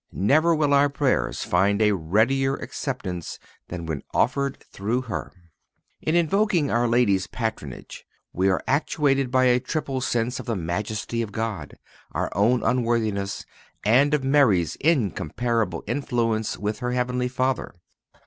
Never will our prayers find a readier acceptance than when offered through her. In invoking Our Lady's patronage we are actuated by a triple sense of the majesty of God, our own unworthiness and of Mary's incomparable influence with her Heavenly Father.